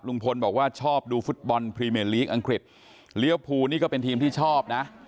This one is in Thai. บอกว่าชอบดูฟุตบอลพรีเมนลีกอังกฤษเลี้ยวภูนี่ก็เป็นทีมที่ชอบนะ